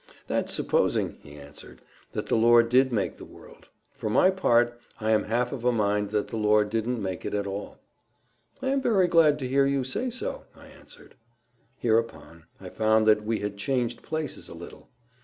"That's supposing," he answered, "that the Lord did make the world. For my part, I am half of a mind that the Lord didn't make it at all." "I am very glad to hear you say so," I answered. Hereupon I found that we had changed places a little.